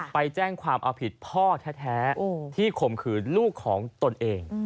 ไปแจ้งความเอาผิดพ่อแท้ที่ข่มขืนลูกของตนเอง